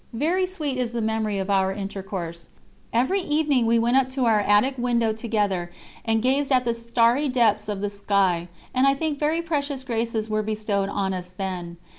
Very sweet is the memory of our intercourse. Every evening we went up to our attic window together and gazed at the starry depths of the sky, and I think very precious graces were bestowed on us then.